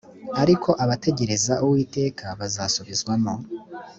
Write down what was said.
ariko abategereza uwiteka bazasubizwamo